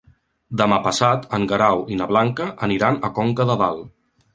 Demà passat en Guerau i na Blanca aniran a Conca de Dalt.